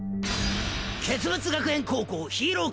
傑物学園高校ヒーロー科